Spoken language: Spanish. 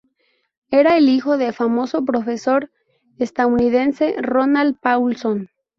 Era el hijo del famoso profesor estadounidense Ronald Paulson.